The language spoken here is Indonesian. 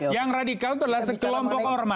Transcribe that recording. yang radikal itu adalah sekelompok ormas